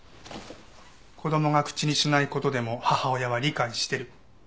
子供が口にしない事でも母親は理解してる。